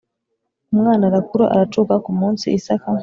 Umwana arakura aracuka ku munsi Isaka